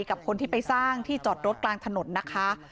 กับคนที่ไปสร้างที่จอดรถกลางถนนนะคะ